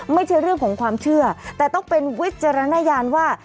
ไม่ใช่เรื่องของความเชื่อแต่ต้องเป็นวิจารณญาณว่า